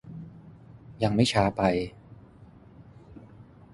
ยังไม่ช้าไป